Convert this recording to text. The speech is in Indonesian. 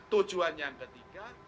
tujuan yang ketiga